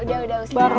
udah udah ustadz